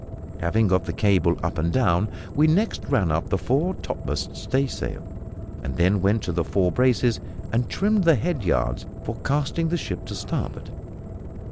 Having got the cable "up and down," we next ran up the fore topmast staysail, and then went to the fore braces and trimmed the head yards for casting the ship to starboard.